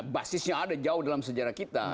basisnya ada jauh dalam sejarah kita